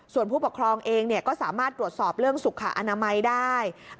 ส่วนผู้ปกครองเองก็สามารถตรวจสอบเรื่องสุขอนามัยได้